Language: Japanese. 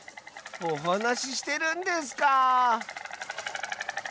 おはなししてるんですか。